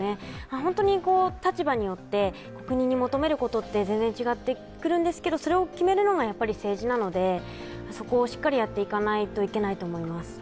本当に立場によって、国に求めることは全然違ってくるんですけどそれを決めるのが政治なのでそこをしっかりやっていかないといけないと思います。